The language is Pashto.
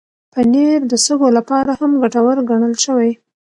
پنېر د سږو لپاره هم ګټور ګڼل شوی.